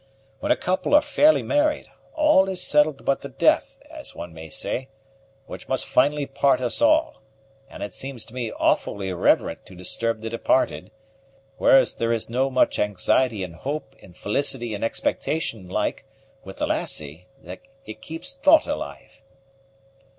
When a couple are fairly married, all is settled but the death, as one may say, which must finally part us all; and it seems to me awfu' irreverent to disturb the departed; whereas there is so much anxiety and hope and felicity in expectation like, with the lassie, that it keeps thought alive."